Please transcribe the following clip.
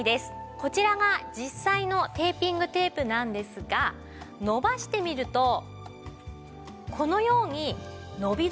こちらが実際のテーピングテープなんですが伸ばしてみるとこのように。